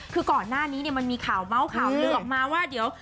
ก่อนหน้านี้เนี่ยมันมีข่าวเม่าข่าวเลือกมาว่าเดี๋ยว